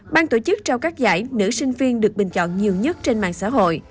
ban tổ chức trao các giải nữ sinh viên được bình chọn nhiều nhất trên mạng xã hội